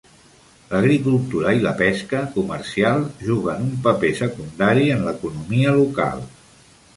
L'agricultura i la pesca comercial juguen un paper secundari en l'economia local.